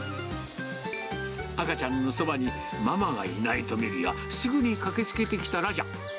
赤ちゃんのそばにママがいないと見るや、すぐに駆けつけてきたラジャ。